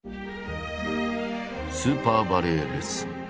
「スーパーバレエレッスン」。